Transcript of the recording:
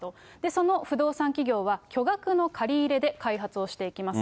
その不動産企業は巨額の借り入れで開発をしていきます。